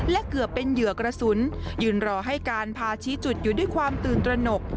และเกือบเป็นเหยื่อกระสุนยืนรอให้การพาชี้จุดอยู่ด้วยความตื่นตระหนก